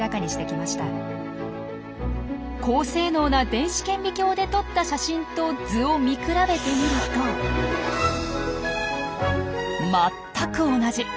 高性能な電子顕微鏡で撮った写真と図を見比べてみると全く同じ！